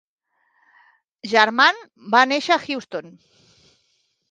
Germann va néixer a Houston.